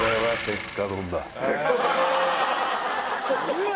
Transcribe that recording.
うわ